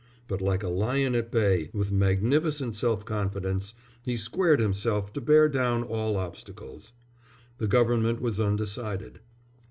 But like a lion at bay, with magnificent self confidence, he squared himself to bear down all obstacles. The Government was undecided.